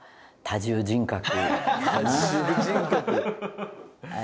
「多重人格」。